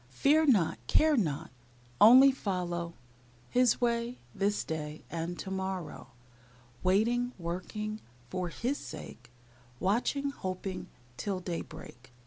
Fear not, care not, Only follow His way, this day, And to morrow. Waiting, working, For His sake; Watching, hoping, Till daybreak.